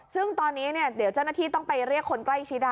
ซึ่งตอนนี้เดี๋ยวเจ้าหน้าที่ต้องไปเรียกคนใกล้ชิด